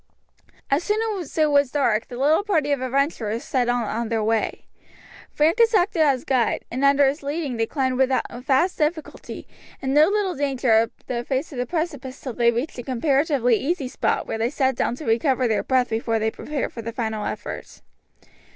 As soon as it was dark the little party of adventurers set out on their way. Francus acted as guide, and under his leading they climbed with vast difficulty and no little danger up the face of the precipice until they reached a comparatively easy spot, where they sat down to recover their breath before they prepared for the final effort.